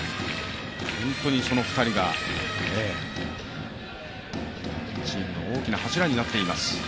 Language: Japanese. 本当にその２人がチームの大きな柱になっています。